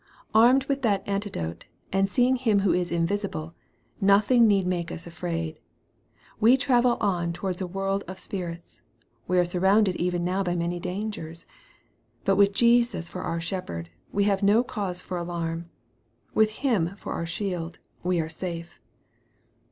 Armed with that antidote, and seeing Him who is invisible, nothing need make us afraid. We travel on towards a world of spir its. We are surrounded even now by many dangers. But with Jesus for our Shepherd, we have no cause for alarm. With Him for our Shield, 'we are safe.